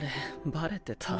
バレてた？